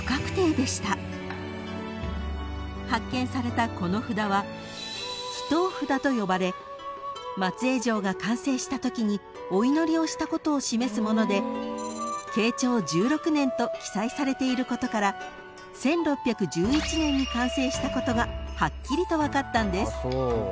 ［発見されたこの札は祈祷札と呼ばれ松江城が完成したときにお祈りをしたことを示すもので「慶長１６年」と記載されていることから１６１１年に完成したことがはっきりと分かったんです］